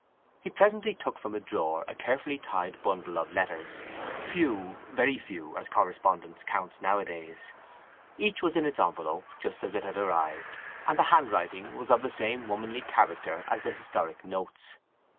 He presently took from a drawer a carefully tied bundle of letters, few, very few, as correspondence counts nowadays. Each was in its envelope just as it had arrived, and the handwriting was of the same womanly character as the historic notes.